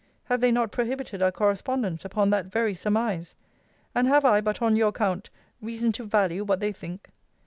Have they not prohibited our correspondence upon that very surmise? And have I, but on your account, reason to value what they think?